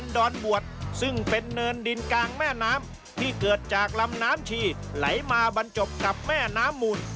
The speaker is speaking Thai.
ดินกลางแม่น้ำที่เกิดจากลำน้ำชีไหลมาบรรจบกับแม่น้ำมูล